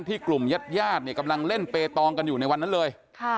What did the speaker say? กลุ่มญาติญาติเนี่ยกำลังเล่นเปตองกันอยู่ในวันนั้นเลย